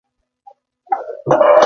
Google, for instance, does so.